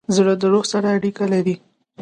زړه د روح سره اړیکه لري.